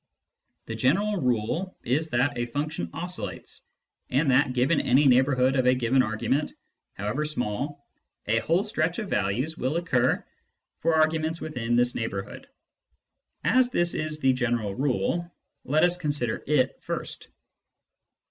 The general rule is that a function oscillates, and that, given any neighbourhood of a given argument, however small, a whole stretch of values will occur for arguments within this neighbourhood. As this is the general rule, let us consider it first.